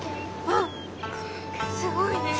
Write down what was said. あっすごいね。